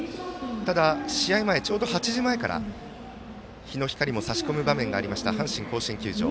ただ、試合前ちょうど８時前から日の光も差し込む場面もありました阪神甲子園球場。